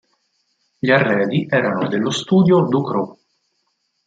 Gli arredi erano dello Studio Ducrot.